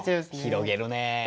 広げるね。